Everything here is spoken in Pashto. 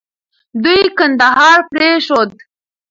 دوی کندهار پرېښود.